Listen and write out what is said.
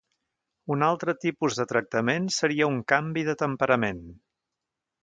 Un altre tipus de tractament seria un canvi de temperament.